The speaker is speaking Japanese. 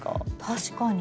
確かに。